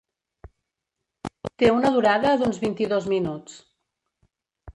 Té una durada d'uns vint-i-dos minuts.